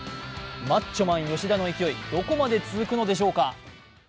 マッチョマン・吉田の勢い、どこまで続くんでしょうか。